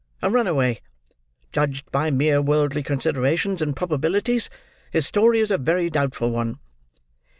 A runaway. Judged by mere worldly considerations and probabilities, his story is a very doubtful one."